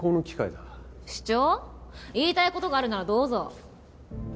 言いたい事があるならどうぞ。